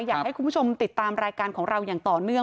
อยากให้คุณผู้ชมติดตามรายการของเราอย่างต่อเนื่อง